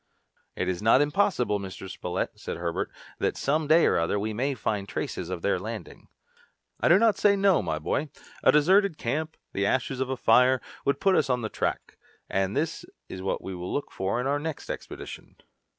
"It is not impossible, Mr. Spilett," said Herbert, "that some day or other we may find traces of their landing." "I do not say no, my boy. A deserted camp, the ashes of a fire, would put us on the track, and this is what we will look for in our next expedition."